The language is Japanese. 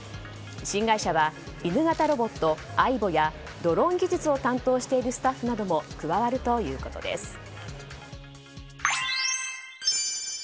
新会社は犬型ロボット、アイボやドローン技術を担当しているスタッフも加わるということです。